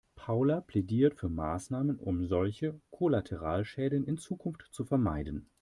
Paula plädiert für Maßnahmen, um solche Kollateralschäden in Zukunft zu vermeiden.